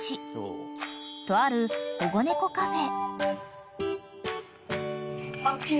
［とある保護猫カフェ］